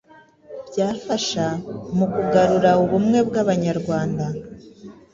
byafasha mu kugarura ubumwe bw'Abanyarwanda.